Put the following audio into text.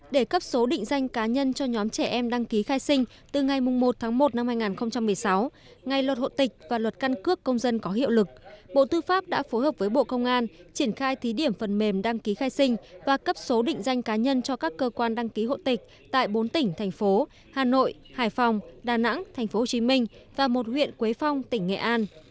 để cấp số định danh cá nhân cho nhóm trẻ em đăng ký khai sinh từ ngày một một hai nghìn một mươi sáu ngày luật hộ tịch và luật căn cước công dân có hiệu lực bộ tư pháp đã phối hợp với bộ công an triển khai thí điểm phần mềm đăng ký khai sinh và cấp số định danh cá nhân cho các cơ quan đăng ký hộ tịch tại bốn tỉnh thành phố hà nội hải phòng đà nẵng tp hcm và một huyện quế phong tỉnh nghệ an